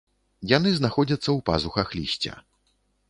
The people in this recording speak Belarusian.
Яны знаходзяцца ў пазухах лісця.